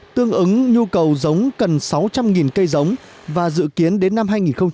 tương ứng nhu cầu giống cần sáu trăm linh cây giống và dự kiến đến năm hai nghìn ba mươi